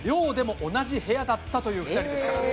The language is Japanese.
同じ部屋だったという２人です。